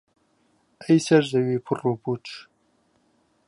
ئەی سەر زەوی پڕ و پووچ